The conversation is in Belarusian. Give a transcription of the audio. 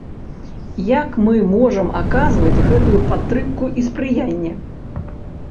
Як мы можам аказваць гэтую падтрымку і спрыянне?